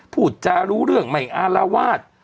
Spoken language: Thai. พูดจารู้เรื่องไม่อารวาส